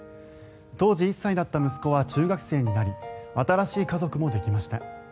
当時１歳だった息子は中学生になり新しい家族もできました。